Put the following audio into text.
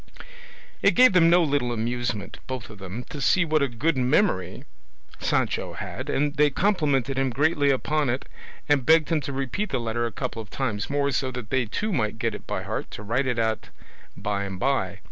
It gave them no little amusement, both of them, to see what a good memory Sancho had, and they complimented him greatly upon it, and begged him to repeat the letter a couple of times more, so that they too might get it by heart to write it out by and by.